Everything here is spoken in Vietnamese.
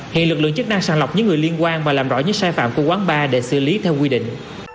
hiện lực lượng chức năng sàng lọc những người liên quan và làm rõ những sai phạm của quán bar để xử lý theo quy định